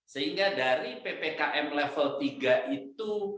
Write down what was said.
sehingga dari ppkm level tiga itu